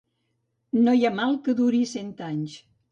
No hi ha mal que duri cent anys.